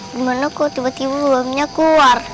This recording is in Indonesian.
gimana kok tiba tiba uangnya keluar